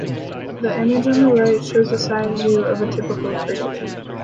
The image on the right shows a side view of a typical crater.